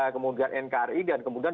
kemudian nkri dan kemudian